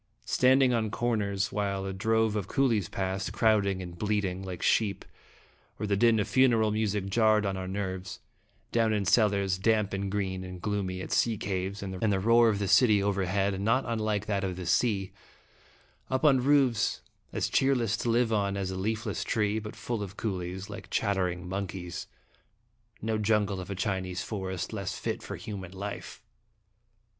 Standing on corners while a drove of coolies passed, crowding and bleating 124 1) Dramatic in like sheep, or the din of funeral music jarred on our nerves ; down in cellars, damp and green and gloomy as sea caves, and the roar of the city overhead not unlike that of the sea ; up on roofs as cheerless to live on as leafless trees, but full of coolies, like chattering mon keys no jungle of a Chinese forest less fit for human life.